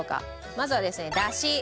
まずはですね出汁。